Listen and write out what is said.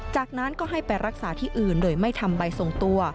จากนั้นก็ให้ไปรักษาที่อื่นโดยไม่ทำใบส่งตัว